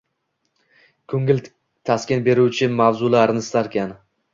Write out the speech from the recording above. Ko‘ngil taskin beruvchi mavzularni istarkan.